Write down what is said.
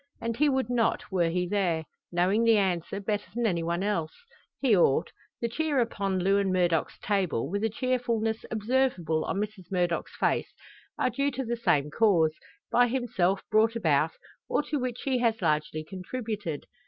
And he would not, were he there; knowing the answer, better than anyone else. He ought. The cheer upon Lewin Murdock's table, with a cheerfulness observable on Mrs Murdock's face, are due to the same cause, by himself brought about, or to which he has largely contributed.